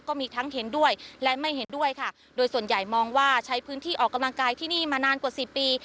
ก็มีทั้งเห็นด้วยและไม่เห็นด้วยค่ะโดยส่วนใหญ่มองว่าใช้พื้นที่ออกกำลังกายที่นี่มานานกว่าสิบปี